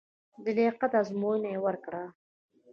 د لیاقت ازموینه یې ورکړه.